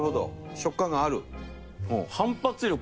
食感がある。